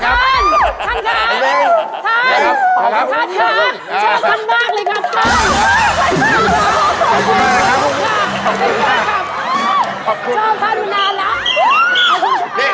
ขอบคุณครับ